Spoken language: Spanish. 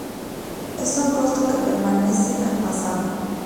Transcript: Es un costo que pertenece al pasado.